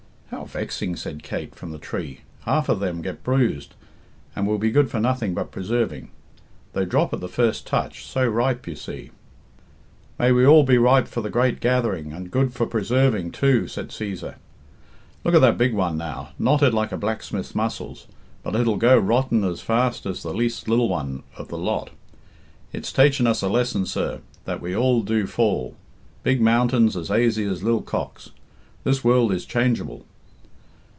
"How vexing!" said Kate, from the tree. "Half of them get bruised, and will be good for nothing but preserving. They drop at the first touch so ripe, you see." "May we all be ripe for the great gathering, and good for preserving, too," said Cæsar. "Look at that big one, now knotted like a blacksmith's muscles, but it'll go rotten as fast as the least lil one of the lot. It's taiching us a lesson, sir, that we all do fall big mountains as aisy as lil cocks. This world is changeable."